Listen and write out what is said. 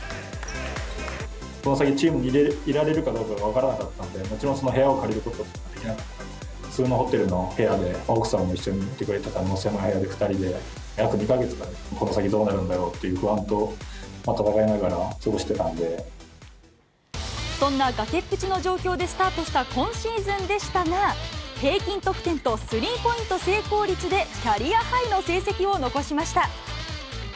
この先、チームにいられるかが分からなかったんで、もちろん部屋を借りることはできなくて、普通のホテルの部屋で、奥さんも一緒にいてくれて、２人で狭い部屋で約２か月かな、この先、どうなるんだろうというそんな崖っぷちの状況でスタートした今シーズンでしたが、平均得点とスリーポイント成功率でキャリアハイの成績を残しました。